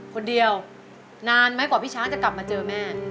คนเดียวนานไหมกว่าพี่ช้างจะกลับมาเจอแม่